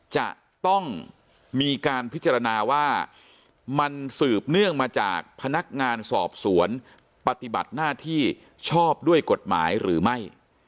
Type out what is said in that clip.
จะต้องมีการพิจารณาว่ามันสืบเนื่องมาจากพนักงานสอบสวนปฏิบัติหน้าที่ชอบด้วยกฎหมายหรือไม่